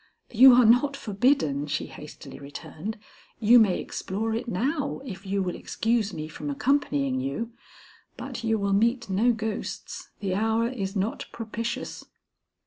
"You are not forbidden," she hastily returned. "You may explore it now if you will excuse me from accompanying you; but you will meet no ghosts. The hour is not propitious."